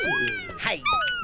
はい！